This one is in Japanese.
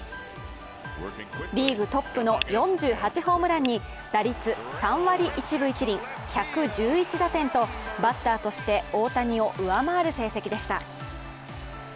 リーグトップの４８ホームランに打率３割１分１厘、１１１打点とバッターとして大谷を上回る成績でした。